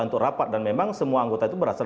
untuk rapat dan memang semua anggota itu berasal